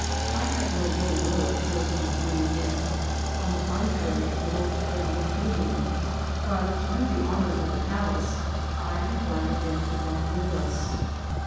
I had no ill will toward these worthy men ; on the contrary, the most friendly feeling ; but, to do the honours of the palace, I invited them to dine with us.